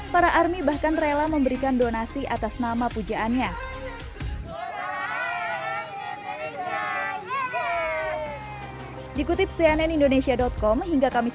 para army bahkan rela memberikan donasi atas nama pujaannya dikutip cnn indonesia com hingga kamis